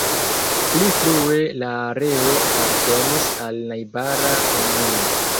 Pli frue la areo apartenis al najbara komunumo.